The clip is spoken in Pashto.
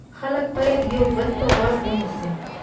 خلک باید یو بل ته غوږ ونیسي.